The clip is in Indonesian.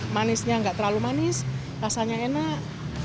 manisnya nggak terlalu manis rasanya enak